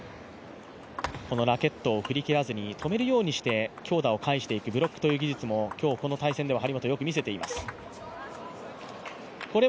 ラケットを振り切らずに止めていくようにしてブロックを返していくブロックという技術も今日、この対戦では張本よく見せています。